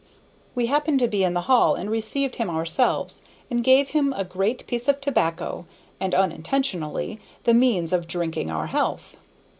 We happened to be in the hall, and received him ourselves, and gave him a great piece of tobacco and (unintentionally) the means of drinking our health.